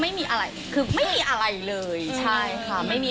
ไม่มีอะไรคือไม่มีอะไรเลยใช่ค่ะไม่มี